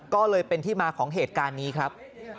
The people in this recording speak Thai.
ก็เลยเป็นที่มาของเหตุการณ์นี้ครับ